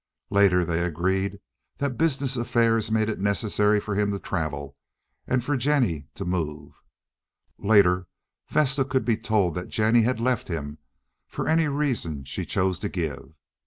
Later they agreed that business affairs made it necessary for him to travel and for Jennie to move. Later Vesta could be told that Jennie had left him for any reason she chose to give.